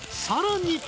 ［さらに］